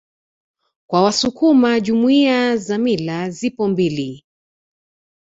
Kwa wasukuma Jumuiya za mila zipo mbili